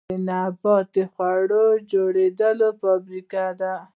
پاڼې د نبات د خوړو جوړولو فابریکې دي